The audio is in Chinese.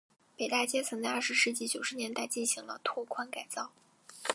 北大街曾在二十世纪九十年代进行了拓宽改造。